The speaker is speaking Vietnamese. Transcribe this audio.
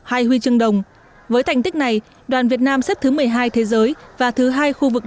hai huy chương đồng với thành tích này đoàn việt nam xếp thứ một mươi hai thế giới và thứ hai khu vực